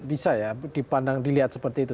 bisa ya dipandang dilihat seperti itu